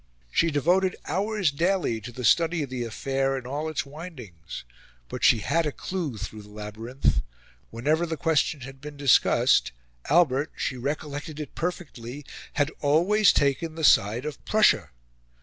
She devoted hours daily to the study of the affair in all its windings; but she had a clue through the labyrinth: whenever the question had been discussed, Albert, she recollected it perfectly, had always taken the side of Prussia.